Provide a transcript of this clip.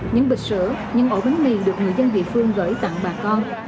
những bịch sữa những ổ bánh mì được người dân địa phương gửi tặng bà con